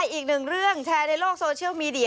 อีกหนึ่งเรื่องแชร์ในโลกโซเชียลมีเดีย